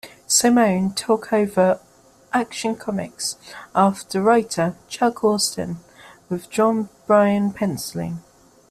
Simone took over "Action Comics" after writer Chuck Austen, with John Byrne penciling.